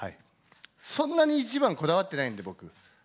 そんなに１番こだわってないんで、僕。